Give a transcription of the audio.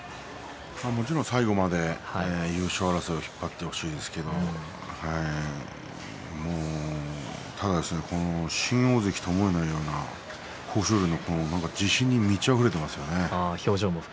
もちろん最後まで優勝争いを引っ張ってほしいですけどただ新大関とも思えないような豊昇龍の自信に満ちあふれていますよね。